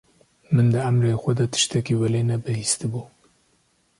Min di emirê xwe de tiştekî welê ne bihîsti bû.